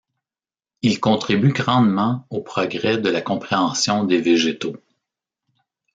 Il contribue grandement aux progrès de la compréhension des végétaux.